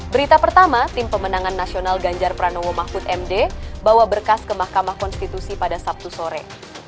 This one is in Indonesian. berita pertama tim pemenangan nasional ganjar pranowo mahfud md bawa berkas ke mahkamah konstitusi pada sabtu sore